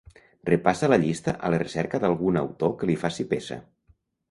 Repassa la llista a la recerca d'algun autor que li faci peça.